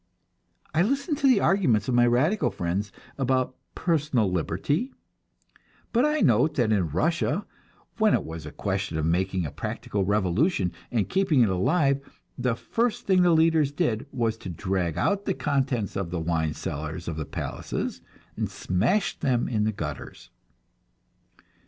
I listen to the arguments of my radical friends about "personal liberty," but I note that in Russia, when it was a question of making a practical revolution and keeping it alive, the first thing the leaders did was to drag out the contents of the wine cellars of the palaces, and smash them in the gutters.